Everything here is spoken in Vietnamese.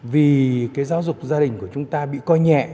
vì cái giáo dục gia đình của chúng ta bị coi nhẹ